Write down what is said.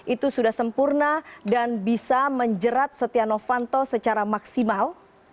itu sudah sempurna dan bisa menjerat setia novanto secara maksimal